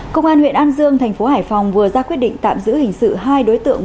công an huyện an dương tp hcm vừa ra quyết định tạm giữ hình sự hai đối tượng